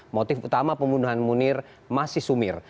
motif utama pembunuhan munir masih sumir